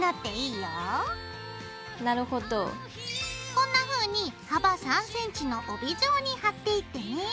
こんなふうに幅３ｃｍの帯状に貼っていってね。